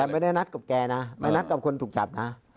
แต่ไม่ได้นัดกับแกนะไม่นัดกับคนถูกจับนะ